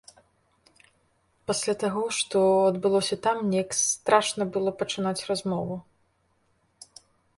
Пасля таго, што адбылося там, неяк страшна было пачынаць размову.